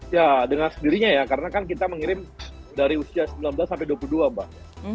ya dengan sendirinya ya karena kan kita mengirim dari usia sembilan belas sampai dua puluh dua mbak